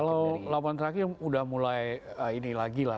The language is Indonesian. kalau laporan terakhir udah mulai ini lagi lah